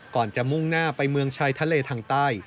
ก่อนจะมุ่งหน้าไปเมืองชายทะเลทางใต้